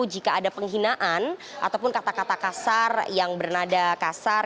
jika ada penghinaan ataupun kata kata kasar yang bernada kasar